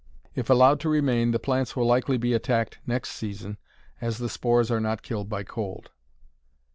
If allowed to remain the plants will likely be attacked next season, as the spores are not killed by cold.